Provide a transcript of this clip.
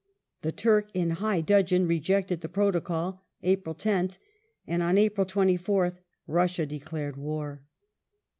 The Turk, in high dudgeon, rejected the Protocol (April 10th), and on April 24th Russia declared war.